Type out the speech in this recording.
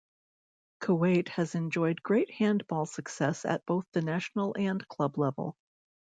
Kuwait has enjoyed great handball success at both the national and club level.